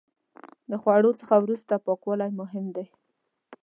د خوړو څخه وروسته پاکوالی مهم دی.